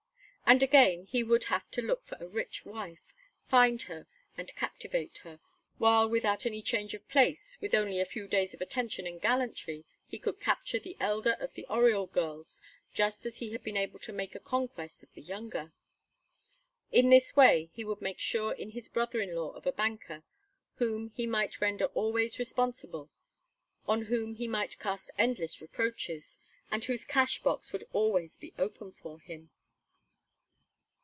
And again, he would have to look for a rich wife, find her, and captivate her, while without any change of place, with only a few days of attention and gallantry, he could capture the elder of the Oriol girls just as he had been able to make a conquest of the younger. In this way he would make sure in his brother in law of a banker whom he might render always responsible, on whom he might cast endless reproaches, and whose cash box would always be open for him.